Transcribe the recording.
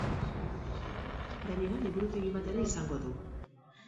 Gainera, liburutegi bat ere izango du.